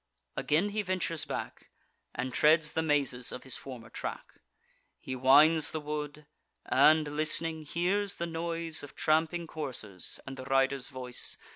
Again he ventures back, And treads the mazes of his former track. He winds the wood, and, list'ning, hears the noise Of tramping coursers, and the riders' voice.